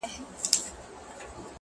• زه وايم راسه شعر به وليكو ـ